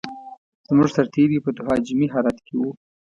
زموږ سرتېري په تهاجمي حالت کې و.